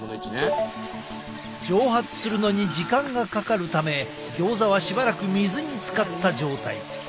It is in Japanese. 蒸発するのに時間がかかるためギョーザはしばらく水につかった状態。